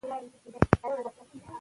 که مدرسې کې مینه وي نو زده کړه اسانه ده.